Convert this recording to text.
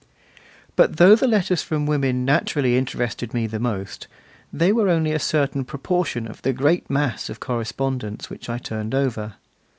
But, though the letters from women naturally interested me the most, they were only a certain proportion of the great mass of correspondence which I turned over.